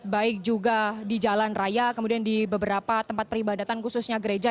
baik juga di jalan raya kemudian di beberapa tempat peribadatan khususnya gereja